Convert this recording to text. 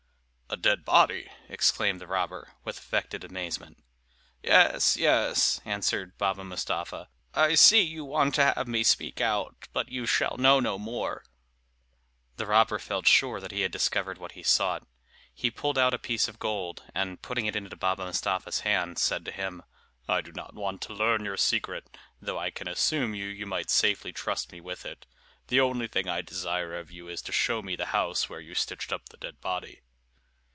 "A dead body!" exclaimed the robber, with affected amazement. "Yes, yes," answered Baba Mustapha; "I see you want to have me speak out, but you shall know no more." The robber felt sure that he had discovered what he sought. He pulled out a piece of gold, and putting it into Baba Mustapha's hand, said to him, "I do not want to learn your secret, though I can assume you you might safely trust me with it. The only thing I desire of you is to show me the house where you stitched up the dead body."